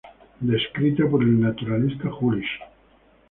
Descrita por el naturalista Jülich.